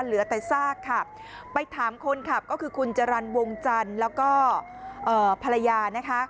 เหลือแต่ซากค่ะไปถามคนคือคุณจารันวงจันแล้วก็ภรรยานะคะ